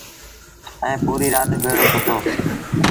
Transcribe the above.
ائيٚݩ پوريٚ رآت ڀيڙو سُتو